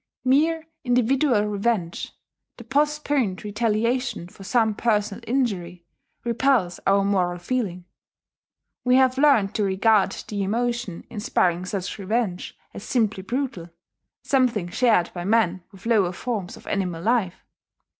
Mere individual revenge the postponed retaliation for some personal injury repels our moral feeling: we have learned to regard the emotion inspiring such revenge as simply brutal something shared by man with lower forms of animal life.